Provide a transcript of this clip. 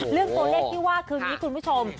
เรื่องตัวเลขที่ว่าคืออย่างนี้คุณผู้ชม